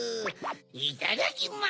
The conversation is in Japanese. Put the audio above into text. いただきま。